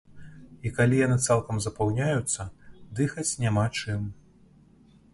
І калі яны цалкам запаўняюцца, дыхаць няма чым.